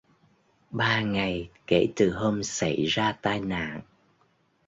Ba ngày kể từ hôm xảy ra tai nạn